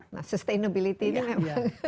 nah sustainability ini memang